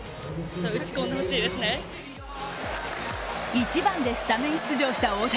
１番でスタメン出場した大谷。